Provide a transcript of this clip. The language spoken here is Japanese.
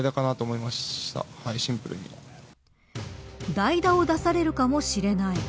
代打を出されるかもしれない。